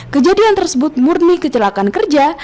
kejadian tersebut murni kecelakaan kerja